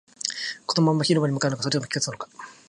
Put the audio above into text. このまま広場に向かうのか、それとも引き返すのか